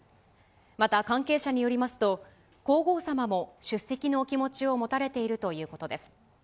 また関係者によりますと、皇后さまも出席のお気持ちを持たれているということです。